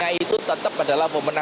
wpenang itu tetap adalah wpenang